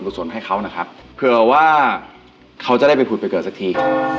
สลให้เขานะครับเผื่อว่าเขาจะได้ไปผุดไปเกิดสักที